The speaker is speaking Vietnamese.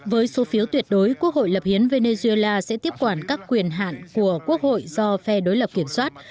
với số phiếu tuyệt đối quốc hội lập hiến venezuela sẽ tiếp quản các quyền hạn của quốc hội do phe đối lập kiểm soát